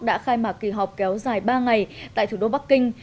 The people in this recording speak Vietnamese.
đã khai mạc kỳ họp kéo dài ba ngày tại thủ đô bắc kinh